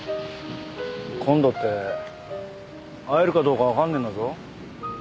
今度って会えるかどうかわかんねえんだぞ。